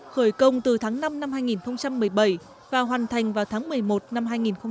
khởi công từ tháng năm năm hai nghìn một mươi bảy và hoàn thành vào tháng một mươi một năm hai nghìn một mươi bảy